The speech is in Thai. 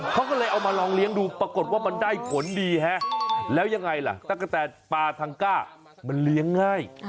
เขาก็เลยเอามาลองเลี้ยงดูปรากฏว่ามันได้ผลดีฮะแล้วยังไงล่ะตะกะแตนปลาทังก้ามันเลี้ยงง่าย